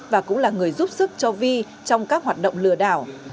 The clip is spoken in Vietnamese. và cũng là người giúp sức cho vi trong các hoạt động lừa đảo